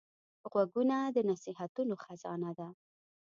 غوږونه د نصیحتونو خزانه ده